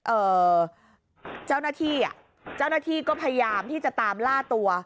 เอ่อเจ้าหน้าที่อ่ะเจ้าหน้าที่ก็พยายามที่จะตามล่าตัว